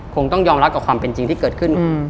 คงต้องยอมรับกับความเป็นจริงที่เกิดขึ้น